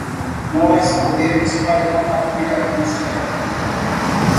Nós corremos para uma patrulha policial.